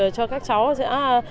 cho các cháu sẽ